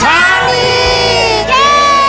จันทร์วิเกต